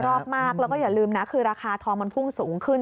ชอบมากแล้วก็อย่าลืมนะคือราคาทองมันพุ่งสูงขึ้น